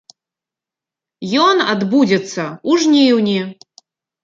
Ён адбудзецца ў жніўні.